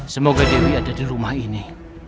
semoga dewi ada di rumah ini